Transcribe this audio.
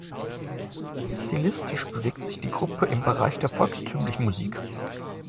Stilistisch bewegt sich die Gruppe im Bereich der volkstümlichen Musik.